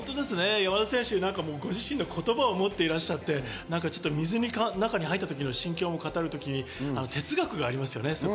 山田選手、ご自身の言葉を持っていらっしゃって、水の中に入った時の心境も語るときに哲学がありますね。